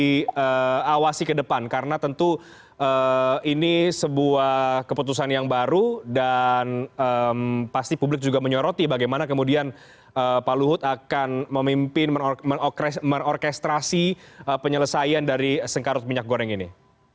diawasi ke depan karena tentu ini sebuah keputusan yang baru dan pasti publik juga menyoroti bagaimana kemudian pak luhut akan memimpin mengorkestrasi penyelesaian dari sengkarut minyak goreng ini